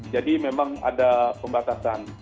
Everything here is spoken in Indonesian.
jadi memang ada pembatasan